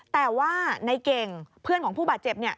แต่ว่านายเก่งเพื่อนของผู้บัตรต้องเจ็บนี่